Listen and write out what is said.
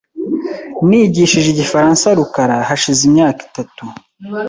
Nigishije igifaransa rukara hashize imyaka itatu .